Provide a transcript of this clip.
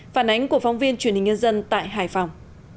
phản ánh của phóng viên truyền hình nhân dân tại hải phòng